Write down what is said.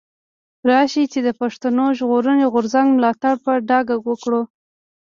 راشئ چي د پښتون ژغورني غورځنګ ملاتړ په ډاګه وکړو.